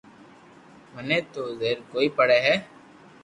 مني تو زبر ڪوئي پڙي ھي